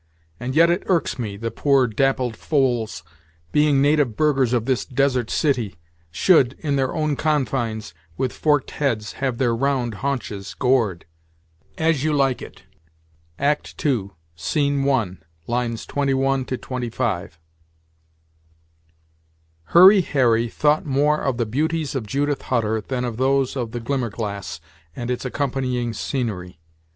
And yet it irks me, the poor dappled foals, Being native burghers of this desert city, Should, in their own confines, with forked heads Have their round haunches gored." As You Like It, II.i.21 25 Hurry Harry thought more of the beauties of Judith Hutter than of those of the Glimmerglass and its accompanying scenery.